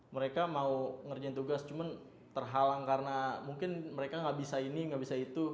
mereka mau ngerjain tugas cuman terhalang karena mungkin mereka nggak bisa ini nggak bisa itu